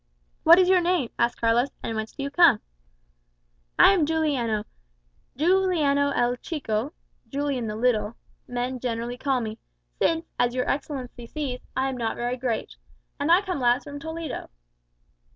"What is your name?" asked Carlos; "and whence do you come?" "I am Juliano; Juliano el Chico (Julian the Little) men generally call me since, as your Excellency sees, I am not very great. And I come last from Toledo."